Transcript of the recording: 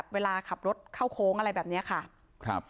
เวลาขับรถเข้าโค้งอะไรแบบนี้ค่ะ